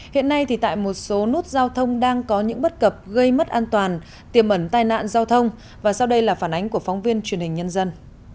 hiện nay tại một số nút giao thông đang có những bất cập gây mất an toàn tiềm ẩn tai nạn giao thông và sau đây là phản ánh của phóng viên truyền hình nhân dân